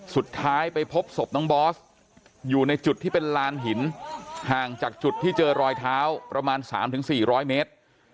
สุดท้ายไปพบศพน้องบอสอยู่ในจุดที่เป็นลานหินห่างจากจุดที่เจอรอยเท้าประมาณ๓๔๐๐เมตร